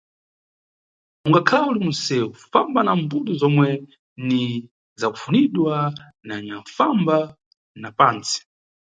Ungakhala uli munʼsewu, famba na mbuto zomwe ni zakufambidwa na anyanʼfamba na pantsi.